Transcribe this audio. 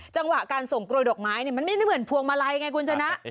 จังหวะการส่งโรยดอกไม้มันไม่ได้เหมือนพวงมาลัยไงคุณชนะ